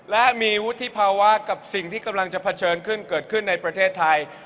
และมีวุฒิภาวะกับสิ่งที่กำลังจะเผชิญขึ้นเกิดขึ้นในประเทศไทย